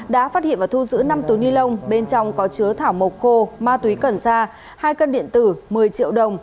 đã phát hiện và thu giữ năm túi ni lông bên trong có chứa thảo mộc khô ma túy cần xa hai cân điện tử một mươi triệu đồng